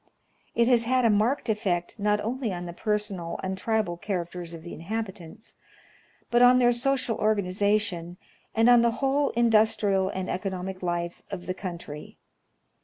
It has had a marked effect not only on the personal and tribal characters of the inhabitants, but on their social organization, and on the whole industrial and economic life of the country.